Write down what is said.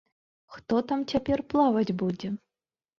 Хто там цяпер працаваць будзе?